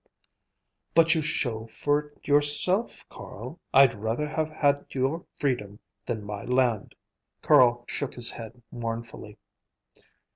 "But you show for it yourself, Carl. I'd rather have had your freedom than my land." Carl shook his head mournfully.